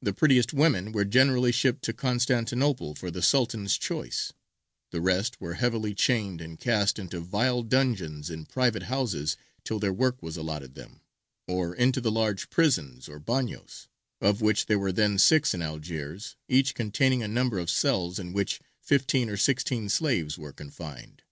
The prettiest women were generally shipped to Constantinople for the Sultan's choice; the rest were heavily chained and cast into vile dungeons in private houses till their work was allotted them, or into the large prisons or bagnios, of which there were then six in Algiers, each containing a number of cells in which fifteen or sixteen slaves were confined.